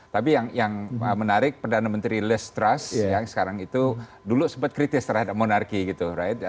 tapi yang menarik perdana menteri les trust yang sekarang itu dulu sempat kritis terhadap monarki gitu right